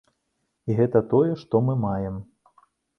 І гэта тое, што мы маем.